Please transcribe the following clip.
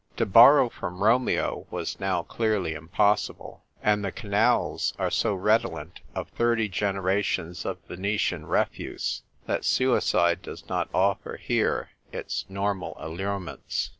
To borrow from Romeo was now clearly impossible. And the canals are so redolent of thirty generations of Venetian refuse that suicide does not offer here its normal allure ments.